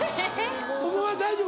お前は大丈夫？